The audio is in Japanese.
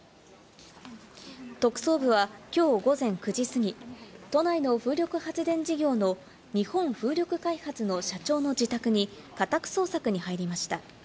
特捜部はきょう午前９時過ぎ、都内の風力発電事業の日本風力開発の社長の自宅に家宅捜索に入りました。